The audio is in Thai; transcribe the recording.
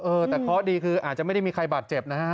เออแต่เคราะห์ดีคืออาจจะไม่ได้มีใครบาดเจ็บนะฮะ